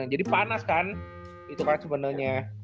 jadi panas kan itu kan sebenernya